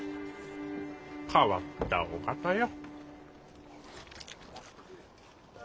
変わったお方よ。